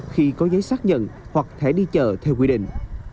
khi có giấy xác nhận hoặc thẻ đi chờ theo quy định